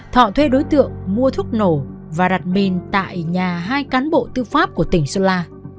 thọ thuê đối tượng mua thuốc nổ và đặt mình tại nhà hai cán bộ tư pháp của tỉnh sơn la